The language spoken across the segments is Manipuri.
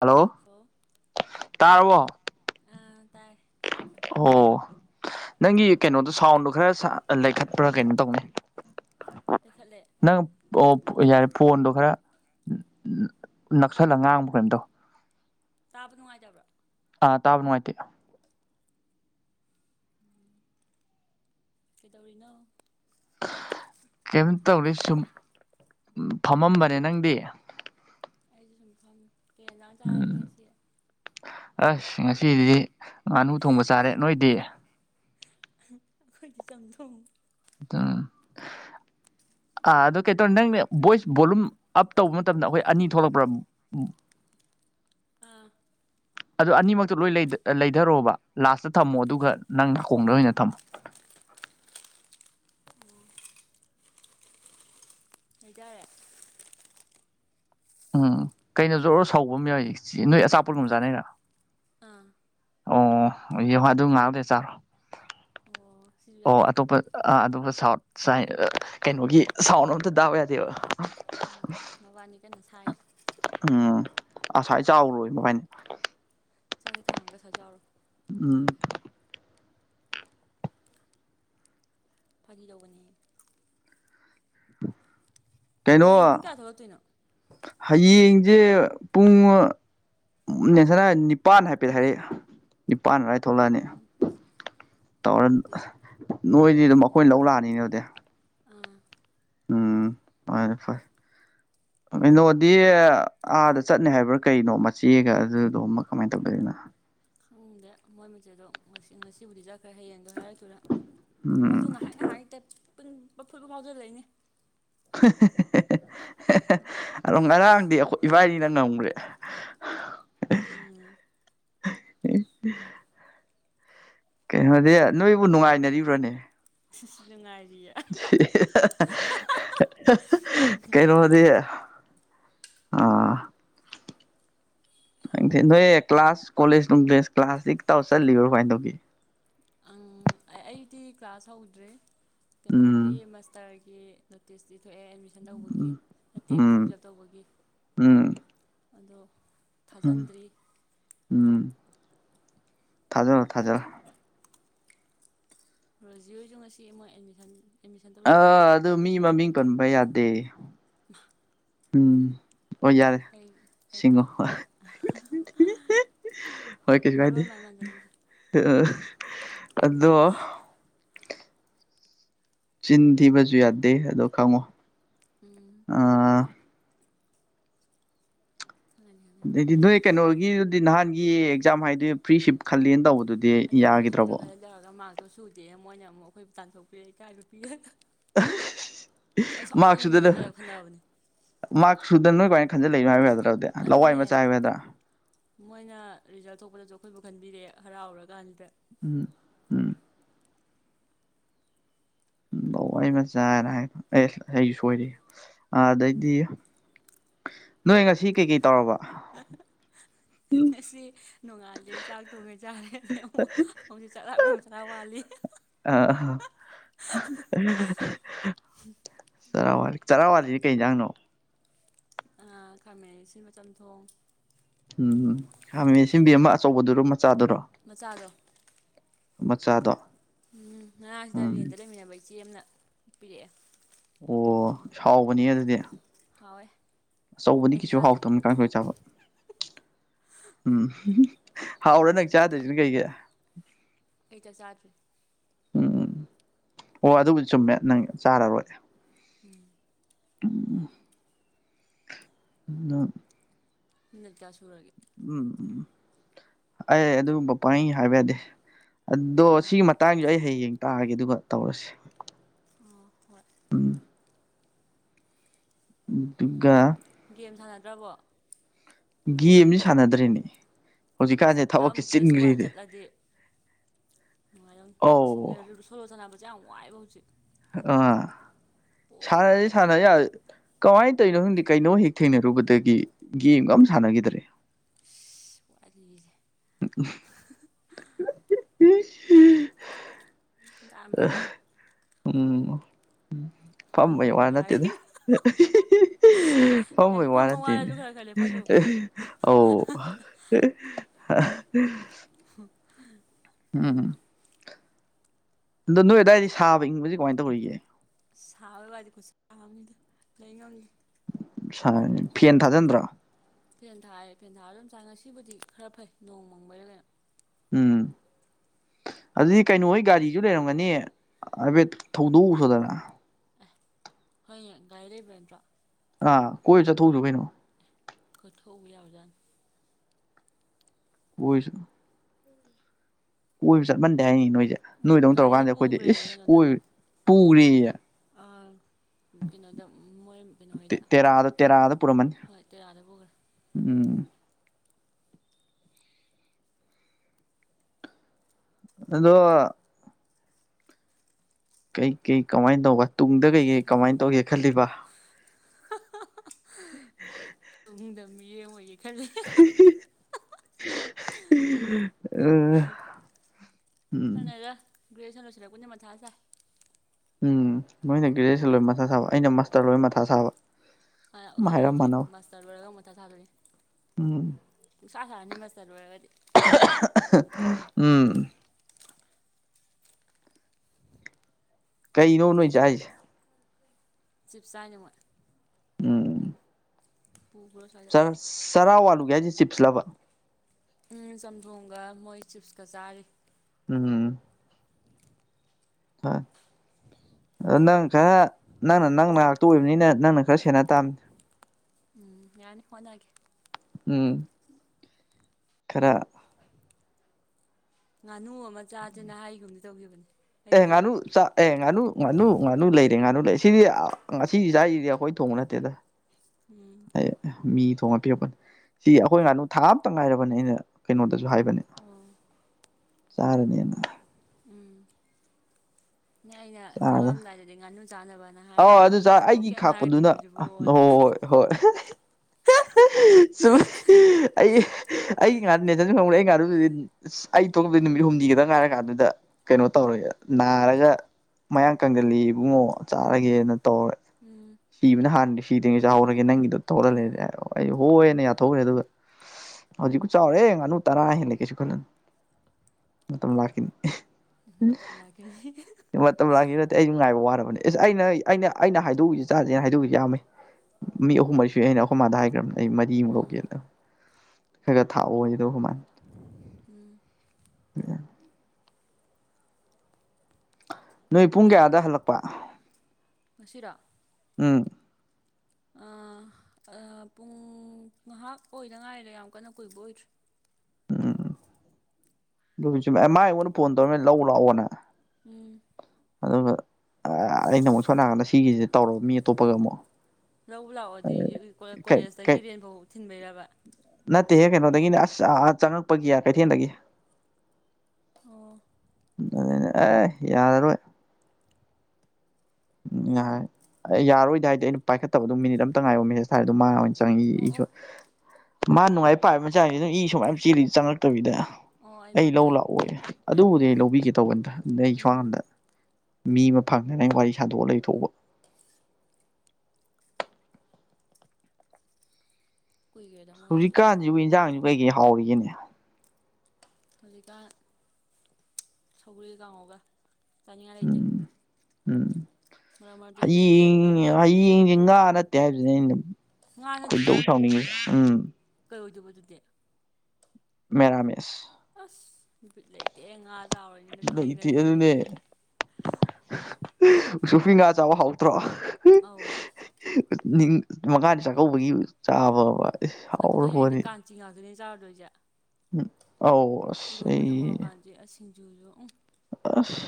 ꯍꯜꯂꯣ ꯇꯥꯔꯕꯣ ꯑꯥ ꯇꯥꯏ ꯑꯣ ꯅꯪꯒꯤ ꯀꯩꯅꯣꯗꯣ ꯁꯥꯎꯟꯗꯣ ꯈꯔ ꯁꯥ ꯂꯩꯈꯠ ꯄ꯭ꯔꯥ ꯀꯩꯅꯣ ꯇꯧꯅꯦ ꯂꯩꯈꯠꯂꯦ ꯅꯪ ꯑꯣ ꯌꯥꯔꯦ ꯐꯣꯟꯗꯣ ꯈꯔ [unintelligible] ꯅꯛꯁꯜꯂꯥ ꯉꯥꯡꯕ ꯀꯩꯅꯣꯝꯇꯧ ꯇꯥꯕ ꯅꯨꯡꯉꯥꯏꯇꯕ꯭ꯔꯥ ꯑꯥ ꯇꯥꯕ ꯅꯨꯡꯉꯥꯏꯇꯦ [unintelligible] ꯀꯩꯗꯧꯔꯤꯅꯣ ꯀꯩꯝ ꯇꯧꯔꯤ ꯁꯨꯝ ꯎꯝ ꯐꯝꯃꯝꯕꯅꯦ ꯅꯪꯗꯤ ꯑꯩꯁꯨ ꯁꯨꯝ ꯐꯝꯃꯤ ꯀꯦ ꯏꯟꯖꯥꯡ ꯆꯔꯒꯦ ꯎꯝ ꯉꯁꯤ ꯑꯁ ꯉꯁꯤꯗꯤ ꯉꯥꯅꯨ ꯊꯣꯡꯕ ꯆꯥꯔꯦ ꯅꯣꯏꯗꯤ [unintelligible] ꯑꯈꯣꯏꯗꯤ ꯆꯝꯊꯣꯡ [unintelligible] ꯑꯥ ꯑꯗꯣ [unintelligible] ꯅꯪꯅ ꯚꯣꯏꯁ ꯚꯣꯂꯨꯝ ꯑꯞ ꯇꯧꯕ ꯃꯇꯝꯗ ꯑꯈꯣꯏ ꯑꯅꯤ ꯊꯣꯛꯂꯛꯄ꯭ꯔꯥ [unintelligible] [unintelligible] ꯑꯥ ꯑꯗꯣ ꯑꯅꯤꯃꯛꯇꯣ ꯂꯣꯏ ꯂꯩꯙꯥ ꯂꯩꯙꯥꯔꯣꯕ ꯂꯥꯁꯇꯥ ꯊꯝꯃꯣ ꯑꯗꯨꯒ ꯅꯪ ꯅꯥꯀꯣꯡꯗ ꯑꯣꯏꯅ ꯊꯝꯃꯣ ꯑꯣ ꯂꯩꯗꯥꯔꯦ ꯎꯝ ꯀꯩꯅꯣ ꯖꯣꯔ ꯁꯧꯕ ꯑꯃ ꯌꯥꯎꯔꯤꯁꯦ ꯅꯣꯏ ꯑꯆꯥꯄꯣꯠꯒꯨꯝꯕ ꯆꯥꯅꯩꯔꯥ ꯑꯥ ꯑꯣ ꯌꯦꯡꯉꯣ ꯑꯗꯨ ꯉꯥꯛ ꯂꯩꯔꯥ ꯆꯥꯔꯣ ꯑꯣ ꯁꯤꯁꯨ ꯑꯣ ꯌꯥꯗꯕ ꯑꯇꯣꯞꯄ ꯑꯥ ꯑꯇꯣꯞꯄ ꯀꯩꯆꯣꯒꯤ ꯁꯥꯎꯟ ꯑꯝꯇ ꯇꯥꯕ ꯌꯥꯗꯦꯕ ꯎꯝ ꯃꯕꯥꯅꯤ ꯀꯟꯅ ꯁꯥꯏꯔꯤ ꯎꯝ ꯑꯁꯥꯏ ꯆꯥꯎꯔꯣꯎ ꯃꯕꯅꯤ [inaudible] ꯆꯥꯛꯁꯦ ꯊꯥꯡꯉꯒ ꯑꯁꯨꯋꯥꯏ ꯆꯥꯎꯔꯣ ꯎꯝ ꯐꯥꯒꯤ ꯇꯧꯕꯅꯦ ꯀꯩꯅꯣ ꯍꯌꯦꯡ ꯄꯨꯡ ꯀꯌꯥ ꯊꯣꯛꯂꯛꯇꯣꯏꯅꯣ ꯍꯌꯦꯡꯁꯦ ꯄꯨꯡ ꯅꯦꯁꯅ ꯅꯤꯄꯥꯟ ꯍꯥꯏꯐꯦꯠ ꯍꯥꯏꯔꯛꯏ ꯅꯤꯄꯥꯟ ꯑꯗꯨꯋꯥꯢꯗ ꯊꯣꯛꯂꯛꯑꯅꯤ ꯎꯝ [inaudible] ꯇꯧꯔ ꯈꯔ ꯅꯣꯏꯗꯤ ꯉꯟꯅ ꯑꯗꯨꯝ ꯂꯣꯏꯁꯤꯟꯗ ꯌꯥꯔꯦ ꯑꯩꯈꯣꯏꯅ ꯂꯧ ꯂꯥꯛꯑꯅꯤꯅꯦ ꯑꯗꯨꯗꯤ ꯑꯥ ꯎꯝ ꯐꯔꯦ ꯐꯔꯦ [unintelligible] ꯀꯩꯅꯣꯗꯤ ꯑꯥꯗ ꯆꯠꯅꯤ ꯍꯥꯏꯕ꯭ꯔꯥ ꯀꯩꯅꯣ ꯃꯆꯦꯒ ꯑꯗꯨꯗꯣꯃ ꯀꯃꯥꯏꯅ ꯇꯧꯗꯣꯏꯅꯣ ꯈꯪꯗꯦ ꯃꯣꯏ ꯃꯆꯦꯗꯣ ꯉꯁꯤ ꯉꯁꯤꯕꯨꯗꯤ ꯆꯠꯈ꯭ꯔꯦ ꯍꯌꯦꯡꯗꯣ ꯍꯥꯏꯔꯛ ꯁꯨꯔꯦ ꯃꯗꯨ ꯎꯝ ꯉꯥꯏꯍꯥꯛ ꯉꯍꯥꯛꯇ ꯄꯨꯡ ꯐꯨꯠ ꯐꯨꯠ ꯐꯥꯎꯖꯤꯜꯂꯛꯏꯅꯦ ꯑꯗꯣ ꯉꯔꯥꯡꯗꯤ ꯑꯩꯈꯣꯏ ꯏꯕꯥꯅꯤꯅ ꯉꯝꯒꯔꯦ ꯎꯝ ꯀꯩꯅꯣꯗꯤ ꯅꯣꯏꯕꯨ ꯅꯨꯡꯉꯥꯏꯅꯔꯤꯕ꯭ꯔꯣꯅꯦ ꯁꯤ ꯁꯤ ꯅꯨꯡꯉꯥꯏꯔꯤꯌꯦ ꯀꯩꯅꯣ ꯗꯤ ꯑꯥ ꯈꯪꯗꯦ ꯅꯣꯏ ꯀ꯭ꯂꯥꯁ ꯀꯣꯂꯦꯖ ꯅꯨꯡꯗ꯭ꯔꯦ [inaudible] ꯀ꯭ꯂꯥꯁ ꯁꯤ ꯇꯧꯔ ꯆꯠꯂꯤꯕ꯭ꯔꯣ ꯀꯃꯥꯏꯅ ꯇꯧꯒꯦ ꯑꯥꯡ ꯑꯩꯗꯤ ꯀ꯭ꯂꯥꯁ ꯍꯧꯗ꯭ꯔꯦ ꯀꯩꯅꯣꯒꯤ ꯎꯝ ꯃꯥꯁꯇꯔꯒꯤ ꯅꯣꯇꯤꯁꯇꯤ ꯊꯣꯛꯑꯦ ꯑꯦꯠ ꯇꯧꯕꯒꯤ ꯎꯝ ꯅꯠꯇꯦ ꯐꯣꯝ ꯎꯝ ꯐꯤꯜ ꯑꯞ ꯇꯧꯕꯒꯤ ꯑꯗꯣ ꯎꯝ ꯊꯥꯖꯤꯟꯗ꯭ꯔꯤ ꯎꯝ ꯊꯥꯖꯔꯣ ꯊꯥꯖꯔꯣ ꯔꯣꯖꯤ ꯍꯣꯏꯁꯨ ꯉꯁꯤ ꯃꯣꯏ ꯑꯦꯠꯃꯤꯁꯟ ꯑ ꯑꯗꯨ ꯃꯤ ꯃꯃꯤꯡ ꯄꯟꯕ ꯌꯥꯗꯦ ꯎꯝ ꯍꯣꯏ ꯌꯥꯔꯦ ꯑꯩ ꯑꯩ ꯁꯤꯡꯉꯣ ꯀꯥꯎꯈꯤꯕ [inaudible] ꯍꯣꯏ ꯀꯩꯁꯨ ꯀꯥꯏꯗꯦ ꯑꯗꯣ ꯆꯤꯟ ꯊꯤꯕꯁꯨ ꯌꯥꯗꯦ ꯑꯗꯣ ꯈꯪꯉꯣ ꯎꯝ ꯑ ꯈꯪꯉꯅꯤ ꯈꯪꯉꯅꯤ ꯑꯗꯩꯗꯤ ꯅꯣꯏ ꯀꯩꯅꯣꯒꯤꯗꯨꯗꯤ ꯅꯍꯥꯟꯒꯤ ꯑꯦꯛꯖꯥꯝ ꯍꯥꯏꯗꯣꯛ ꯑꯦ ꯐ꯭ꯔꯤ ꯁꯤꯞ ꯈꯜꯂꯦꯅ ꯇꯧꯕ ꯑꯗꯨ ꯐꯔꯤꯁꯤꯞꯇꯣ ꯈꯜꯂꯦꯅ ꯃꯥꯥꯛꯇꯣ ꯁꯨꯗꯦ ꯃꯣꯏꯅ ꯑꯃꯨꯛ ꯑꯩꯈꯣꯏꯕꯨ ꯇꯥꯟꯊꯣꯛꯄꯤꯔꯛꯑꯦ ꯏꯀꯥꯏꯕ ꯄꯤꯔꯦ ꯑꯩ ꯁꯥꯎꯅꯤꯡꯗꯅ ꯅꯨꯃꯥꯠꯇꯨꯗ ꯈꯥꯠꯅꯕꯅꯤ ꯃꯥꯔꯛ ꯁꯨꯗꯅ ꯅꯣꯢ ꯀꯃꯥꯏꯅ ꯈꯟꯖꯤꯜꯂꯛꯢꯅꯣ ꯍꯥꯏ ꯌꯥꯗꯔꯣ ꯂꯋꯥꯏ ꯑꯗꯨꯅꯦ ꯃꯆꯥ ꯍꯥꯏꯌꯨ ꯌꯥꯗ꯭ꯔꯥ ꯃꯣꯏꯅ ꯔꯤꯖꯜ ꯊꯣꯛꯄꯗꯁꯨ ꯑꯩꯈꯣꯏꯕꯨ ꯈꯟꯕꯤꯔꯛꯑꯦ ꯍꯔꯥꯎꯔ ꯀꯥꯟꯁꯤꯗ ꯎꯝ ꯎꯝ ꯂꯋꯥꯏ ꯃꯆꯥꯥꯅ ꯍꯥꯏꯅ ꯑꯦꯁ ꯑꯩ ꯁꯣꯏꯔꯤ ꯑꯗꯩꯗꯤ ꯅꯣꯏ ꯉꯁꯤ ꯀꯩꯀꯩ ꯇꯧꯔꯕ ꯉꯁꯤ ꯅꯣꯡꯉꯥꯂꯦ ꯆꯥꯛ ꯊꯣꯡꯉꯦ ꯆꯥꯔꯦ ꯍꯧꯖꯤꯛ ꯑꯃꯨꯛ ꯆꯥꯛ ꯂꯥꯝꯃꯦ ꯆꯔꯥ ꯋꯥꯜꯂꯤ ꯑꯥ ꯑꯥ [inaudible] ꯆꯔꯥꯋꯥꯜꯂꯤ ꯆꯔꯥꯋꯥꯜꯂꯤꯁꯤ ꯀꯩꯖꯥꯡꯅꯣ ꯑ ꯈꯥꯃꯦꯟ ꯑꯁꯤꯟꯕ ꯆꯝꯊꯣꯡ ꯎꯝ ꯎꯝ ꯈꯥꯃꯦꯟ ꯑꯁꯤꯟꯕꯤ ꯑꯃ ꯑꯆꯧꯕꯗꯨꯔꯣ ꯃꯆꯥꯗꯨꯔꯣ ꯃꯆꯥꯗꯣ ꯃꯆꯥꯗꯣ ꯎꯝ ꯉꯔꯥꯡ ꯁꯤꯗ ꯎꯝ ꯔꯦꯟꯇ ꯂꯩꯃꯤꯟꯅꯕ ꯏꯆꯦ ꯑꯝꯅ ꯄꯤꯔꯛꯑꯦ꯫ ꯑꯣ ꯍꯥꯎꯕꯅꯤꯍꯦ ꯑꯗꯨꯗꯤ ꯍꯥꯎꯋꯦ ꯑꯆꯧꯕꯗꯤ ꯑꯩꯗꯤ ꯀꯩꯁꯨ ꯆꯥꯗ꯭ꯔꯤ ꯍꯥꯎꯇꯝ ꯀꯥꯡꯁ‌ꯣꯏ ꯆꯥꯕ ꯎꯝ ꯍꯥꯎꯔ ꯅꯪ ꯆꯥꯗ꯭ꯔꯤꯁꯤꯅ ꯀꯩꯒꯤ ꯑꯩ ꯆꯥꯛ ꯆꯥꯗ꯭ꯔꯤ ꯎꯝ ꯑꯣ ꯑꯗꯨꯕꯨꯗꯤ ꯆꯨꯝꯃꯦ ꯅꯪ ꯆꯥꯔꯔꯣꯏ ꯎꯝ [unintelligible] [unintelligible] ꯃꯤꯅꯠ ꯀꯌꯥ ꯁꯨꯔꯒꯦ ꯎꯝ ꯑꯩ ꯑꯗꯨꯒꯨꯝꯕ ꯄꯪꯍꯥꯏ ꯍꯥꯏꯕ ꯌꯥꯗꯦ꯫ ꯑꯗꯣ ꯑꯣ ꯁꯤꯒꯤ ꯃꯇꯥꯡꯁꯨ ꯑꯩ ꯍꯌꯦꯡ ꯇꯥꯑꯒꯦ ꯑꯗꯨꯒ ꯇꯧꯔꯁꯤ ꯑꯣ ꯍꯣꯏ ꯎꯝ ꯗꯨꯒꯥ ꯒꯦꯝ ꯁꯥꯟꯅꯗ꯭ꯔꯕꯣ ꯒꯦꯝꯗꯤ ꯁꯥꯟꯅꯗ꯭ꯔꯦꯅꯦ ꯑꯁ ꯍꯧꯖꯤꯛꯀꯥꯟꯁꯦ ꯄꯨꯂꯞ ꯊꯕꯛꯁꯦ ꯑꯝꯇ ꯏꯁꯀ꯭ꯋꯥꯠ ꯆꯤꯟꯈ꯭ꯔꯦꯅꯦ ꯆꯠꯂꯗꯤ ꯑꯧ ꯅꯨꯡꯉꯥꯏꯗꯧꯅꯤ [unintelligible] ꯁꯣꯂꯣ ꯁꯥꯟꯅꯕꯁꯦ ꯌꯥꯝ ꯋꯥꯏꯕ ꯍꯧꯖꯤꯛ ꯑꯥ ꯄꯣꯕꯗ ꯁꯥꯔꯗꯤ ꯄꯣꯕꯗ ꯁꯥꯟꯅ ꯌꯥꯏ ꯀꯃꯥꯏꯟ ꯇꯧꯏꯅꯣ ꯈꯪꯗꯦ ꯀꯩꯅꯣ ꯍꯦꯛ ꯊꯦꯡꯅꯔꯨꯕꯗꯒꯤ ꯒꯦꯝꯒ ꯑꯝ ꯁꯥꯟꯅꯈꯤꯗꯔꯦ꯫ ꯋꯥꯔꯤꯁꯦ [unintelligible] ꯉꯟꯇꯥꯅ ꯐꯝꯃꯤꯅꯤ ꯎꯝ ꯐꯝꯕꯩ ꯋꯥ ꯎꯪꯒꯨꯝꯕ ꯅꯠꯇꯦꯗ ꯍꯥꯏꯔꯤ ꯐꯝꯕꯩ ꯋꯥ ꯐꯝꯕ ꯅꯠꯇꯦꯅꯦ ꯋꯥꯔꯁꯨ ꯈꯔ ꯈꯔ ꯂꯦꯞꯍꯜꯂꯨ ꯑꯧ [unintelligible] [unintelligible] [unintelligible] ꯑꯗꯣ ꯅꯣꯏ ꯑꯗꯥꯏꯗꯤ ꯁꯥꯕ ꯏꯪꯕꯁꯤ ꯀꯃꯥꯏꯟ ꯇꯧꯔꯤꯒꯦ ꯁꯥꯕꯩ ꯋꯥꯗꯤ ꯈꯨꯠꯁꯥꯕꯅꯤꯗ ꯂꯩ ꯉꯝꯗꯦ ꯁꯥꯔꯅꯤ ꯐꯦꯟ ꯊꯥꯖꯟꯗ꯭ꯔꯣ ꯐꯦꯟ ꯊꯥꯏ ꯐꯦꯟ ꯊꯥꯔꯁꯨꯝ ꯁꯥꯏ ꯉꯁꯤꯕꯨꯗꯤ ꯈꯔ ꯐꯩ ꯅꯣꯡ ꯃꯪꯕꯩꯔ ꯀꯩꯅꯣ꯫ ꯎꯝ ꯑꯗꯨꯗꯤ ꯀꯩꯅꯣ ꯍꯣꯏ ꯒꯥꯔꯤꯁꯨ ꯂꯩꯔꯝꯒꯅꯤ ꯍꯥꯏꯐꯦꯠ ꯊꯧꯗꯣꯛꯎ ꯁꯣꯗꯅ ꯀꯩꯅꯣ ꯑꯦ ꯍꯣꯏꯅꯦ ꯒꯥꯔꯤ ꯂꯩꯕ ꯅꯠꯇ꯭ꯔꯣ ꯑꯥ ꯀꯣꯏꯕ ꯆꯠꯊꯣꯛꯎꯁ‌ꯣ ꯀꯩꯅꯣ ꯀꯣꯏꯊꯣꯛꯎ ꯌꯥꯕꯖꯥꯟ ꯍꯣꯏꯁꯨ ꯎꯝ [unintelligible] ꯀꯣꯏꯕ ꯆꯠꯃꯟꯗꯦ ꯍꯥꯏꯅꯤ ꯅꯣꯏꯁꯦ ꯅꯣꯏꯗꯧꯅ ꯒꯥꯔꯤ ꯇꯧꯔꯀꯥꯟꯗꯤ ꯑꯩꯈꯣꯏꯗꯤ ꯄꯨꯈ꯭ꯔꯦ ꯏꯁ ꯀꯣꯏ ꯄꯨꯔꯤꯌꯦ ꯑ ꯀꯩꯅꯣꯗ ꯃꯣꯏ ꯀꯩꯅꯣ ꯍꯣꯏꯗ ꯇꯦꯔꯥꯗ ꯇꯦꯔꯥꯗ ꯄꯨꯔꯝꯃꯅꯤ ꯍꯣꯏ꯫ ꯇ‌ꯦꯔꯥꯗ ꯄꯨꯈ꯭ꯔꯦ꯫ ꯎꯝ ꯑꯗꯣ ꯀꯩ ꯀꯩ ꯀꯃꯥꯏꯟ ꯇꯧꯕ ꯇꯨꯡꯗ ꯀꯩꯀꯩ ꯀꯃꯥꯏꯟ ꯇꯧꯒꯦ ꯈꯜꯂꯤꯕ [unintelligible] ꯇꯨꯡꯗ ꯃꯤꯔ‌ꯦꯝ ꯑꯣꯏꯒꯦ ꯈꯜꯂꯤ [unintelligible] [unintelligible] ꯈꯪꯗ꯭ꯔꯦꯗ ꯒ꯭ꯔꯦꯖꯨꯏꯁꯟ ꯂꯣꯏꯁꯤꯜꯂꯛꯄꯅꯦ ꯃꯊꯥ ꯁꯥꯏ꯫ ꯎꯝ ꯅꯣꯏꯅ ꯒ꯭ꯔꯦꯖꯨꯑꯦꯁꯟ ꯂꯣꯏ ꯃꯊꯥ ꯁꯥꯕ ꯑꯩꯅ ꯃꯥꯁꯇꯔ ꯂꯣꯏꯔ ꯃꯊꯥ ꯁꯥꯕ꯫ ꯍꯣꯏ ꯑꯩꯈꯣꯏꯖꯨ ꯍꯥꯏꯔꯞ ꯍꯧꯖꯤꯛ ꯃꯥꯟꯅꯕ ꯃꯥꯁꯇꯔ ꯂꯣꯏꯔꯒ ꯃꯊꯥ ꯁꯥꯗꯣꯏꯅꯤ꯫ ꯎꯝ ꯄꯨꯡꯁꯥ ꯁꯥꯅꯤ ꯃꯁꯇꯔ ꯂꯣꯏꯔꯒꯗꯤ [unintelligible] ꯎꯝ ꯀꯩꯅꯣꯕ ꯅꯣꯏ ꯆꯥꯏꯁꯦ ꯆꯤꯞꯁ ꯆꯥꯏꯅꯤ ꯃꯣꯏ ꯎꯝ ꯄꯨꯒ꯭ꯔꯣ ꯑꯁ꯭ꯋꯥꯏꯗ ꯆꯔꯥ ꯋꯥꯂꯨꯒꯦ ꯍꯥꯏꯁꯦ ꯆꯤꯞꯁ ꯂꯕ [unintelligible] ꯆꯝꯊꯣꯡꯒ ꯃꯣꯏ ꯆꯤꯞꯁꯀ ꯆꯥꯔꯤ ꯎꯝ [unintelligible] ꯑꯗꯨ ꯅꯪ ꯈꯔ ꯅꯪꯅ ꯅꯪ ꯅꯅꯥꯛꯇ ꯑꯣꯏꯕꯅꯤꯅ ꯅꯪꯅ ꯈꯔ ꯁꯦꯟꯅ ꯇꯥꯝꯅꯤ ꯎꯝ ꯌꯥꯅꯤ ꯍꯣꯠꯅꯒꯦ ꯎꯝ ꯈꯔ ꯉꯥꯅꯨ ꯑꯃ ꯆꯥꯁꯤꯅ ꯍꯥꯏꯒꯨꯝꯗꯤ ꯇꯧꯈꯤꯕꯅꯤ ꯑꯦ ꯉꯥꯅꯨ ꯆꯥ ꯑꯦ ꯉꯥꯅꯨ ꯉꯥꯅꯨ ꯉꯥꯅꯨ ꯂꯩꯔꯦ ꯉꯥꯅꯨ ꯂꯩꯔꯦ ꯁꯤꯗꯤ ꯉꯁꯤ ꯆꯥꯏꯁꯤꯗꯤ ꯑꯩꯈꯣꯏ ꯊꯣꯡꯕ ꯅꯠꯇꯦꯗ ꯎꯝ ꯑ ꯃꯤ ꯊꯣꯡꯉ ꯄꯤꯔꯛꯄꯅꯤ ꯁꯤ ꯑꯩꯈꯣꯏ ꯉꯥꯅꯨ ꯊꯥ ꯑꯃꯇ ꯉꯥꯏꯔꯕꯅꯦ ꯑꯩꯅ ꯀꯩꯅꯣꯗꯁꯨ ꯍꯥꯏꯕꯅꯦ ꯑꯣ ꯆꯥꯔꯅꯤꯅ ꯎꯝ ꯅꯪ ꯑꯩꯅ ꯆꯥꯔꯒ ꯊꯣꯛꯂꯛꯑꯝꯗꯥꯏꯗꯗꯤ ꯉꯥꯅꯨ ꯆꯥꯅꯕ ꯑꯧ ꯑꯗꯨ ꯆꯥ ꯑꯩꯒꯤ ꯈꯥꯛꯄꯗꯨꯅ ꯍꯣꯏ ꯍꯣꯏ [unintelligible] ꯑꯁ ꯑꯩ [unintelligible] ꯅꯨꯃꯤꯠ ꯍꯨꯝꯅꯤꯈꯇꯪ ꯉꯥꯏꯔ ꯀꯥꯟꯗꯨꯗ ꯀꯩꯅꯣ ꯇꯧꯔꯦ ꯅꯥꯔꯒ ꯃꯌꯥꯡ ꯀꯪꯖꯜꯂꯤ ꯏꯕꯨꯡꯉꯣ ꯆꯥꯔꯒꯦꯅ ꯇꯧꯔꯦ ꯎꯝ ꯁꯤꯕꯅ ꯍꯥꯟꯗꯤ ꯁꯤꯗ꯭ꯉꯩ ꯆꯥꯍꯧꯔꯒꯦ ꯅꯪꯒꯤꯗ ꯇꯧꯔ ꯑꯣ ꯂꯩꯔꯦ ꯍꯥꯏꯕ [unintelligible] ꯌꯥꯊꯣꯛꯎꯔꯦ ꯑꯗꯨꯒ ꯍꯧꯖꯤꯛꯈꯨ ꯆꯥꯎꯔꯦ ꯉꯅꯨ ꯇꯔꯥ ꯍꯦꯜꯂꯦ ꯀꯩꯁꯨ ꯈꯜꯂꯨꯅꯨ ꯃꯇꯝ ꯂꯥꯛꯈꯤꯅꯤ ꯃꯇꯝ ꯂꯥꯛꯈꯤꯅꯤ [unintelligible] ꯃꯇꯝ ꯂꯥꯡꯈꯤꯅꯤ ꯅꯠꯇꯦ ꯑꯩꯁꯨ ꯉꯥꯏꯕ ꯋꯥꯔꯕꯅꯦ ꯑ꯫ꯏꯁ ꯑꯩꯅ ꯑꯩꯅ ꯑꯩꯅ ꯍꯥꯏꯗꯣꯛꯎꯏꯁꯦ ꯆꯥꯖꯤꯅ ꯍꯥꯏꯗꯣꯛꯎꯏꯖꯦ ꯌꯥꯝꯃꯦ ꯃꯤ ꯑꯍꯨꯝ ꯃꯔꯤꯁꯨꯏ ꯑꯩꯅ ꯑꯈꯣꯏ ꯃꯥꯗ ꯍꯥꯏꯈ꯭ꯔꯕꯅꯤ ꯑꯩ ꯃꯔꯤꯃꯨꯛ ꯎꯝ ꯂꯧꯒꯦꯅ ꯈꯔ ꯈꯔ ꯊꯥꯛꯑꯣꯌꯦ ꯑꯗꯨꯒ ꯈꯣꯏ ꯃꯥꯅ ꯎꯝ [unintelligible] ꯅꯣꯏ ꯄꯨꯡ ꯀꯩ ꯀꯌꯥꯗ ꯍꯜꯂꯛꯄ ꯉꯁꯤꯔꯣ ꯎꯝ ꯑ ꯑ ꯄꯨꯡ ꯉꯥꯏꯍꯥꯛ ꯑꯣꯏꯗ ꯉꯥꯏꯔꯤꯗ ꯌꯥꯝ ꯀꯟꯅ ꯀꯨꯏꯕ ꯑꯣꯏꯗ꯭ꯔꯤ ꯎꯝ ꯑꯗꯨꯕꯨꯗꯤ ꯆꯨꯝꯃꯦ ꯃꯥ ꯑꯩꯉꯣꯟꯗ ꯐꯣꯟ ꯇꯧꯔꯛ ꯑꯝꯃꯤ ꯂꯧꯂꯥꯛꯑꯣꯅ ꯎꯝ ꯑꯗꯨꯒ ꯑꯩꯅ ꯑꯃꯨꯛ ꯁꯣꯝꯅꯀꯥꯟꯗ ꯁꯤꯒꯤꯁꯦ ꯇꯧꯔꯕ ꯃꯤ ꯑꯇꯣꯞꯄꯒ ꯑꯃꯨꯛ ꯂꯧꯕ ꯂꯥꯛꯑꯣꯗꯤ ꯀꯩ ꯀꯩ ꯀꯣꯂꯦꯖꯇꯒꯤ ꯔꯦꯟꯐꯥꯎꯕ ꯊꯤꯟꯕꯩꯔꯕ ꯅꯠꯇꯦꯍꯦ ꯀꯩꯅꯣꯗꯒꯤꯅꯤ ꯑꯁ ꯑ ꯆꯪꯉꯛꯄꯒꯤ ꯑꯥ ꯀꯩꯊꯦꯜꯗꯒꯤ ꯑꯣ [unintelligible] ꯑꯦ ꯌꯥꯔꯔꯣꯏ ꯎꯝ ꯅꯍꯥꯟ ꯑꯦ ꯌꯥꯔꯔꯣꯏꯗꯤ ꯍꯥꯏꯗꯦ ꯑꯩꯅ ꯄꯥꯏꯈꯠꯇꯕ ꯑꯗꯨꯝ ꯃꯤꯅꯤꯠ ꯑꯝꯇ ꯉꯥꯏꯌꯣ ꯃꯦꯁꯦꯁ ꯊꯔꯛꯑꯦ ꯑꯗꯣ ꯃꯥꯅ ꯑꯣꯏꯅ ꯑꯣ ꯑꯣ [unintelligible] ꯃꯥ ꯅꯨꯡꯉꯥꯏ ꯄꯥꯝꯕ ꯆꯥꯡꯁꯤꯗ ꯏꯁꯨꯨꯃꯥꯏꯅ ꯆꯦꯜꯂꯤ ꯆꯪꯉꯛꯇꯕꯤꯗ ꯑꯣ ꯑꯩ ꯚꯥꯞ ꯂꯧ ꯇꯥꯔꯦ ꯂꯥꯛꯑꯣꯌꯦ ꯑꯗꯨꯕꯨꯗꯤ ꯑꯩ ꯂꯧꯕꯤꯒꯦ ꯇꯧꯕꯅꯤꯗꯗ ꯑꯩ ꯎꯝ ꯁꯣꯝꯀꯥꯟꯗ ꯃꯤ ꯑꯃ ꯐꯪꯗꯅ ꯑꯩ ꯋꯥꯔꯤ ꯁꯥꯟꯗꯣꯛꯑ ꯂꯩꯊꯣꯛꯎꯕ ꯀꯨꯏꯈ꯭ꯔꯦꯗ ꯃꯣꯏꯁꯦ ꯍꯧꯖꯤꯛꯀꯥꯟꯁꯤꯕꯨ ꯏꯟꯖꯥꯡꯁꯦ ꯀꯩꯀꯩ ꯍꯥꯎꯔꯤꯒꯦꯅꯦ ꯍꯧꯖꯤꯛꯀꯥꯟ ꯁꯧꯒ꯭ꯔꯤꯒ ꯀꯥꯡꯉꯧꯒ ꯆꯥꯅꯤꯡꯉꯥꯏ ꯂꯩꯇꯦ ꯎꯝ ꯎꯝ ꯃꯔꯛ ꯃꯔꯛꯇ ꯌꯦꯝꯗꯦꯝ ꯍꯌꯦꯡ ꯏꯔꯣꯟꯕ ꯍꯌꯦꯡꯁꯦ ꯉꯥ ꯅꯠꯇꯦ ꯍꯥꯏꯕꯁꯤꯅꯦ ꯑꯩꯅ ꯉꯥ ꯅꯠꯇꯤꯌꯦ ꯈꯣꯏꯗꯧ ꯁꯥꯎꯅꯤꯡꯉꯤꯁꯦ ꯎꯝ ꯀꯩ ꯑꯣꯏꯗꯧꯕꯗꯨꯗꯤ ꯃꯦꯔꯥꯃꯦꯁ ꯑꯁ ꯕꯤꯠ ꯂꯩꯇꯦ ꯉꯥ ꯆꯥꯎꯔꯅꯤꯅ ꯐꯦꯡꯗꯅ ꯂꯩꯔꯒ ꯑꯨꯁꫭꯞꯀꯤ ꯉꯥ ꯆꯥꯕ ꯍꯥꯎꯇ꯭ꯔꯣ ꯑꯥꯎ ꯅꯤꯡ ꯃꯉꯥꯅꯤ ꯆꯥꯛꯀꯧꯕꯒꯤ ꯆꯥꯕꯕ ꯏꯁ ꯑꯁ ꯑꯗꯨꯗꯤ ꯍꯌꯦꯡꯁꯦ ꯍꯥꯎꯔꯕꯣꯅꯤ ꯀꯥꯟꯆꯤ ꯉꯥꯛꯇꯅꯦ ꯆꯥꯔꯨꯗꯣꯏꯁꯦ ꯎꯝ ꯑꯧ ꯑꯁ ꯏꯔꯣꯟꯕꯁꯨ ꯑꯩ ꯃꯣꯔꫭꯛ ꯀꯥꯟꯆꯤ ꯑꯁ ꯁꯤꯡꯖꯨꯁꯨ ꯎꯝ ꯑꯁ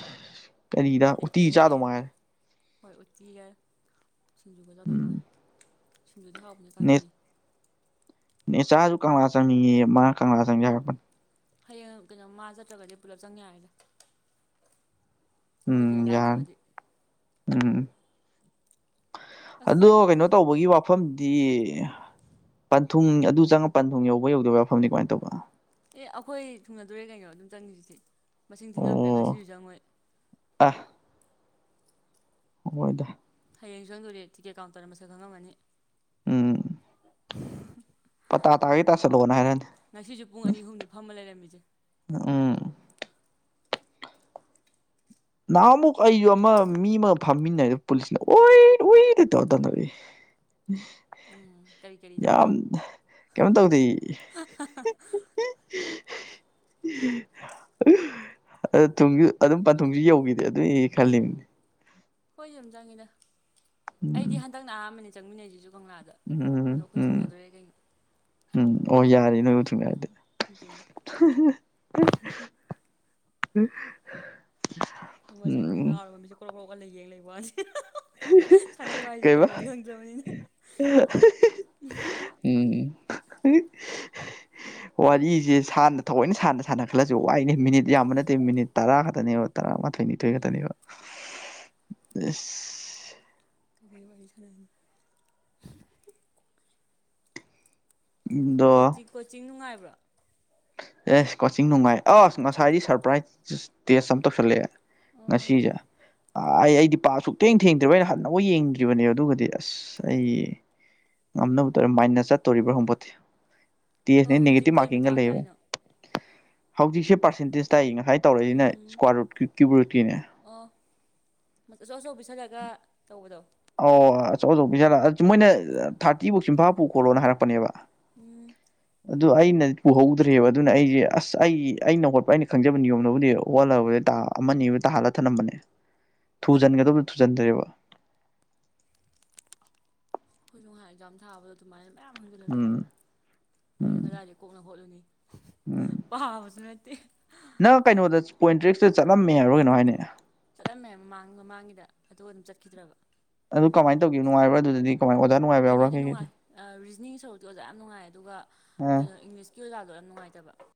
ꯀꯔꯤꯗ ꯕꯤꯠ ꯎꯠꯇꯤ ꯂꯩꯇꯦ ꯆꯥꯗꯧ ꯃꯉꯥꯏꯔꯦ ꯍꯣꯏ ꯎꯠꯇꯤꯒ ꯁꯤꯡꯖꯨꯒ ꯆꯥꯗꯧ ꯎꯝ ꯃꯉꯥꯏꯔꯦ ꯁꯤꯡꯖꯨꯗꯤ ꯍꯥꯎꯕꯅꯦ ꯅꯦ ꯀꯥꯟꯆꯤ ꯅꯦꯆꯥꯁꯨ ꯀꯪꯂꯥ ꯆꯪꯉꯌꯦ ꯃꯥ ꯀꯪꯂꯥ ꯆꯪꯁꯦ ꯍꯥꯏꯔꯛꯄꯅꯦ ꯍꯌꯦꯡ ꯀꯩꯅꯣ ꯃꯥ ꯆꯠꯇ꯭ꯔꯒꯗꯤ ꯄꯨꯂꯞ ꯆꯪ ꯌꯥꯔꯦꯗ ꯃꯣꯏꯁꯤꯅ ꯎꯝ ꯌꯥ꯭ꯔꯅꯤ ꯂꯥꯛꯇ꯭ꯔꯒꯗꯤ ꯎꯝ ꯑꯁ ꯑꯗꯣ ꯀꯩꯅꯣ ꯇꯧꯕꯒꯤ ꯋꯥꯐꯝ ꯃꯐꯝꯗꯤ ꯄꯟꯊꯨꯡ ꯑꯗꯨ ꯆꯪꯉ ꯄꯥꯟꯊꯨꯡ ꯌꯧꯕ ꯌꯧꯗꯥꯕ ꯃꯐꯝꯅꯤ ꯀꯃꯥꯏꯅ ꯇꯧꯕ ꯑꯦ ꯑꯩꯈꯣꯏ ꯊꯨꯡꯅꯗꯣꯔꯦ ꯀꯩꯅꯣ ꯑꯗꯨꯝ ꯆꯪꯉꯤꯁꯤꯗꯤ ꯃꯁꯤꯡ ꯊꯤꯉꯝꯗ꯭ꯔꯦ ꯉꯁꯤꯁꯨ ꯆꯪꯉꯨꯏ ꯑꯥ ꯃꫭꯏꯗ ꯍꯌꯦꯡ ꯆꯪꯗꯨꯔꯤ ꯇꯤꯀꯦꯠ ꯀꯥꯎꯟꯇꯔꯅ ꯃꯁꯥꯛ ꯈꯪꯂꯝꯃꯅꯤ ꯎꯝ꯫ ꯄꯇꯥ ꯇꯥꯒꯦ ꯇꯥꯁꯤꯟꯂꯥꯛꯑꫭꯅ ꯍꯥꯏꯔꯛ ꯑꯅꯤ ꯉꯁꯤꯁꯨ ꯄꯨꯡ ꯑꯅꯤ ꯑꯍꯨꯝꯅꯤ ꯐꯝꯃ ꯂꯩꯔꯝꯃꯤꯁꯦ ꯅꯎꯝ ꯅꯍꯥꯟꯃꯨꯛ ꯑꯩꯁꯨ ꯑꯃ ꯃꯤ ꯑꯃ ꯐꯝꯃꯤꯟꯅꯩ ꯄꯨꯂꯤꯁꯅ ꯎꯏ ꯎꯏ ꯇꯧꯔ ꯇꯥꯟꯊꫭꯔꯛꯏ ꯀꯔꯤ ꯀꯔꯤ ꯇꯧꯕ ꯌꯥꯝ ꯀꯩꯅꯣ ꯇꯧꯗꯦ ꯑꯗꯨ ꯊꯨꯡꯁꯨ ꯑꯗꯨꯝ ꯄꯥꯟ ꯊꯨꯡꯁꯨ ꯌꯧꯈꯤꯗꯦ ꯑꯗꯨꯏ ꯈꯜꯂꯤꯕꯅꯦ ꯈꫭꯏꯁꯨ ꯑꯗꯨꯝ ꯆꯪꯉꯤꯗ ꯎꯝ ꯑꯩꯗꯤ ꯍꯟꯗꯛꯅ ꯑꯍꯥꯟꯕꯅꯦ ꯆꯪꯃꯤꯟꯅꯩꯁꯤꯁꯨ ꯀꯪꯂꯥꯗ ꯎꯝ ꯑꯗꯣ ꯑꯩꯈꫭꯏ ꯎꯝ ꯊꯨꯡꯅꯗꯣꯔꯦ ꯀꯩꯅꯣ ꯎꯝ ꯑꯣ ꯌꯥꯔ ꯅꯣꯏꯕꯨ ꯊꯨꯡꯅꯔꯗꯤ ꯑꯗꯨꯅꯤ [unintelligible] ꯑꯃꯁꯦ ꯑꯩꯉꯣꯟꯗ ꯎꯝ ꯉꯥꯎꯔꯕ ꯃꯤꯠꯁꯦ ꯀ꯭ꯔꯣꯛ ꯀ꯭ꯔꯣꯛ ꯑꫭꯜꯂꯒ ꯌꯦꯡ ꯂꯩꯕ ꯋꯥꯅꯤ ꯁꯥꯟꯅꯩ ꯋꯥꯏꯁꯦ ꯀꯩꯕ ꯀꯩꯅꯣꯗꯤ ꯈꯪ ꯗꯕꯅꯤꯅꯥ ꯎꯝ ꯋꯥꯔꯤꯁꯦ ꯁꯥꯟꯅ ꯊꯑꯣꯏꯅ ꯁꯥꯟꯅ ꯁꯥꯟꯅ ꯈꯜꯂꯁꯨ ꯋꯥꯏꯅꯦ ꯃꯤꯅꯤꯠ ꯌꯥꯝꯕ ꯅꯠꯇꯦ ꯃꯤꯅꯤꯠ ꯇꯔꯥ ꯈꯛꯇꯅꯦꯕ ꯇꯔꯥ ꯃꯥꯊꯣꯏ ꯅꯤꯊꯣꯏ ꯈꯠꯇꯅꯦꯕ [inaudible] ꯏꯁ ꯀꯔꯤ ꯋꯥꯔꯤ ꯁꯅꯥ [unintelligible] ꯑꯗꯣ ꯀꯣꯆ ꯀꯣꯆꯤꯡ ꯅꯨꯡꯉꯥꯏꯕ꯭ꯔꯣ ꯑꯦꯁ ꯀꯣꯆꯤꯡ ꯅꯨꯡꯉꯥꯏ ꯑꯁ ꯉꯁꯥꯏꯗꯤ ꯁꯔꯄ꯭ꯔꯥꯏꯖ ꯇꯦꯁ ꯑꯃ ꯇꯧꯁꯜꯂꯛꯑꯦ ꯉꯁꯤꯁꯦ ꯑ ꯑꯩ ꯑꯩꯗꯤ ꯄꯥ ꯁꯛꯇꯦꯡ ꯊꯦꯡꯗ꯭ꯔꯤꯕ ꯑꯩꯅ ꯍꯟꯅꯧ ꯌꯦꯡꯗ꯭ꯔꯤꯕꯅꯦ ꯑꯗꯨꯒꯗꯤ ꯑꯁ ꯑꯩ ꯉꯝꯅꯕ ꯇꯧꯔꯦ ꯃꯥꯏꯅꯥꯁ ꯆꯠꯇꯣꯔꯤꯕ꯭ꯔꯥ ꯈꯪꯄꯣꯠꯇꯦ ꯇꯦꯁꯅꯦ ꯍꯣꯏ ꯍꯧꯖꯤꯛ ꯅꯦꯒꯦꯇꯤꯞ ꯀꯩ ꯃꯥꯔꯀꯤꯡꯒ ꯃꯇꯥꯡ ꯂꯩꯕꯅꯦ ꯇꯥꯏꯅꯣ ꯍꯧꯖꯤꯛꯁꯦ ꯄꯥꯔꯁꯦꯟꯇꯦꯖ ꯇꯥꯏꯏ ꯉꯁꯥꯏ ꯇꯧꯔꯛꯏꯁꯤꯅ ꯏꯁꯀꯨꯋꯥꯔꯔꯨꯠ ꯀ꯭ꯌꯨꯨꯞꯔꯨꯠꯀꯤꯅꯦ ꯑꯣ ꯑꯆꯧ ꯑꯆꯧꯕ ꯄꯤꯁꯜꯂꯒ ꯇꯧꯕꯗꯣ ꯑꯣ ꯑꯆꯧ ꯑꯆꯧꯕ ꯄꯤꯁꯤꯜꯂꯛ ꯃꯣꯏꯅ ꯊꯥꯔꯇꯤꯐꯧ ꯆꯝꯐꯥ ꯄꯨ ꯈꯣꯠꯂꯣꯅ ꯍꯥꯏꯔꯛꯄꯅꯦꯕ ꯎꯝ꯫ ꯑꯗꯨ ꯑꯩꯅ ꯄꯨꯍꯧꯗ꯭ꯔꯦꯕ ꯑꯗꯨꯅ ꯑꯩꯁꯦ ꯑꯁ ꯑꯩ ꯑꯩꯅ ꯍꯣꯠꯄ ꯑꯩꯅ ꯈꯪꯖꯕ ꯅꯤꯌꯣꯝꯅꯕꯨꯗꯤ ꯍꫭꯠꯂꯝꯃꯦ ꯇ ꯑꯃ ꯑꯅꯤꯕꯨꯗꯤ ꯇꯥꯍꯜꯂ ꯊꯅꯝꯕꯅꯦ [inaudible] ꯊꯨꯖꯟꯒꯗꯕꯗꯨ ꯊꯨꯖꯟꯗ꯭ꯔꯦꯕ ꯑꯩꯈꯣꯏꯁꯨ ꯉꯍꯥꯟ ꯑꯦꯛꯖꯥꯝ ꯊꯥꯕꯗꯣ ꯑꯗꯨꯃꯥꯏꯅ ꯃꯌꯥꯝ ꯍꯨꯟꯖꯤꯜꯂꯛꯇꯅ ꯎꯝ ꯎꯝ ꯑꯩꯈꯣꯏꯗꯤ ꯀꯥꯏꯗꯩ ꯀꯣꯛꯅ ꯍꯣꯠꯂꯨꯅꯤ ꯎꯝ ꯄꯥꯕꯁꯨ ꯅꯠꯇꯦ ꯅꯪ ꯀꯩꯅꯣꯗ ꯄꯣꯏꯟ ꯇꯔꯤꯛꯁꯇ ꯆꯠꯂꯝꯃꯦ ꯍꯥꯏꯕꯔ ꯀꯩꯅꯣꯝ ꯍꯥꯏꯗꯥꯏꯅꯦ ꯆꯠꯂꯝꯃꯦ ꯃꯃꯥꯡ ꯃꯃꯥꯡꯒꯤꯗ ꯑꯗꯨꯒ ꯑꯗꯨꯝ ꯆꯠꯈꯤꯗ꯭ꯔꯕ ꯑꯗꯨ ꯀꯃꯥꯏ ꯇꯧꯒ‌ꯦ ꯉꯥꯏꯕ꯭ꯔ ꯑꯗꯨꯗꯗꯤ ꯀꯃꯥꯏꯅ ꯑꯣꯖꯥ ꯅꯨꯡꯉꯥꯏꯕ ꯌꯥꯎꯕ꯭ꯔꯥ ꯀꯩꯅꯣꯗꯤ ꯀꯩꯀꯩꯗ ꯅꯨꯡꯉꯥꯏ ꯔꯤꯖꯅꯤꯡ ꯁꯔꯨꯛꯇꯤ ꯑꯣꯖꯥ ꯌꯥꯝ ꯅꯨꯡꯉꯥꯏ ꯑꯗꯨꯒ ꯑ ꯀꯩꯅꯣ ꯏꯪꯂꯤꯁ ꯀꯤꯂꯥꯗꯣ ꯌꯥꯝ ꯅꯨꯡꯉꯥꯏꯇꯕ